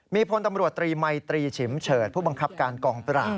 มีพลตำรวจตรีมัยตรีฉิมเฉิดผู้บังคับการกองปราบ